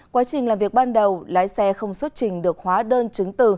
quá trình làm việc ban đầu lái xe không xuất trình được hóa đơn chứng từ